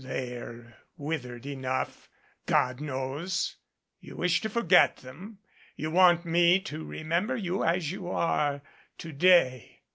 They're withered enough, God knows. You wish to forget them. You want me to remember you as you are to day."